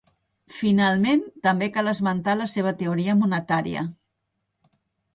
Finalment també cal esmentar la seva teoria monetària.